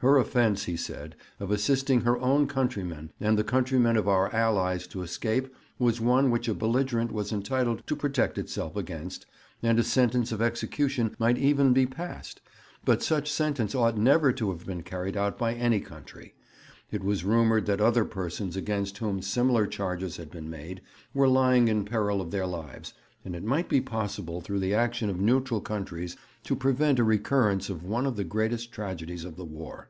Her offence, he said, of assisting her own countrymen and the countrymen of our Allies to escape was one which a belligerent was entitled to protect itself against, and a sentence of execution might even be passed, but such sentence ought never to have been carried out by any country. It was rumoured that other persons against whom similar charges had been made were lying in peril of their lives, and it might be possible through the action of neutral countries to prevent a recurrence of one of the greatest tragedies of the War.